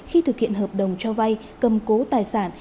khi thực hiện hợp đồng cho vay cầm cố tài sản